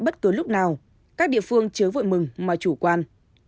bất cứ lúc nào các địa phương chứa vội mừng mà chủ quan